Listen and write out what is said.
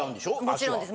もちろんです。